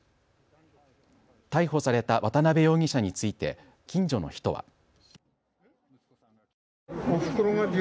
逮捕された渡邊容疑者について近所の人は。